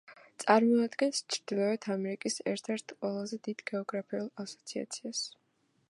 წარმოადგენს ჩრდილოეთ ამერიკის ერთ-ერთ ყველაზე დიდ გეოგრაფიულ ასოციაციას.